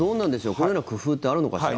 こういうような工夫ってあるのかしら？